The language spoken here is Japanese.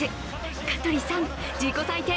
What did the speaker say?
香取さん、自己採点